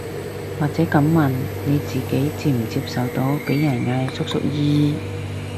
或者噉問，你自己接唔接受到被人嗌叔叔姨姨